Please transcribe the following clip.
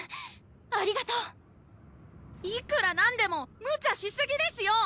ありがとういくらなんでもむちゃしすぎですよ！